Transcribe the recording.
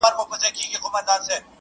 لیکل سوي ټول د ميني افسانې دي.